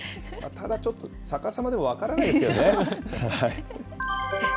ただちょっと、逆さまでも分からないですけどね。